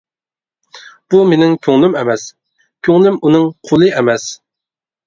بۇ مېنىڭ كۆڭلۈم ئەمەس، كۆڭلۈم ئۇنىڭ قۇلى ئەمەس.